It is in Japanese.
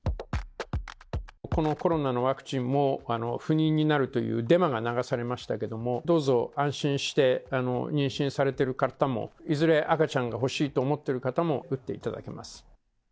このコロナのワクチンも不妊になるというデマが流されましたけれども、どうぞ安心して、妊娠されてる方も、いずれ赤ちゃんが欲しいと思ってる方も打っていただけます。